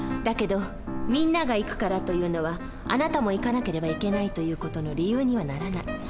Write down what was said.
だけど「みんなが行くから」というのは「あなたも行かなければいけない」という事の理由にはならない。